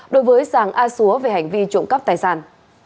đối với giảng a súa về hành vi trộm cắp tài sản